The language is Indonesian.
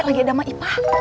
lagi ada maipa